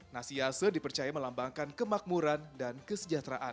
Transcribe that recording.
nasi yase dipercaya melambangkan kemakmuran dan kesejahteraan